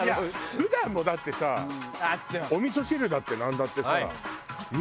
普段もだってさお味噌汁だってなんだってさ。